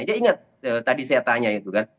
dia ingat tadi saya tanya itu kan